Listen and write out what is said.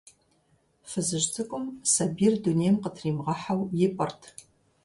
Фызыжь цӀыкӀум сабийр дунейм къытримыгъэхьэу ипӀырт.